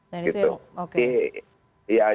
dan itu yang oke